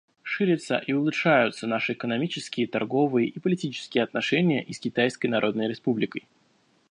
Ширятся и улучшаются наши экономические, торговые и политические отношения и с Китайской Народной Республикой.